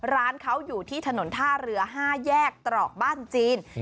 ร้านเขาอยู่ที่ถนนท่าเรือ๕แยกตรอกบ้านจีน